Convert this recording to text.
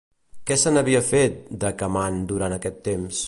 Què se n'havia fet, d'Acamant, durant aquest temps?